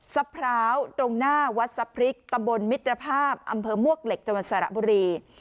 พร้าวตรงหน้าวัดสะพริกตำบลมิตรภาพอำเภอมวกเหล็กจังหวัดสระบุรี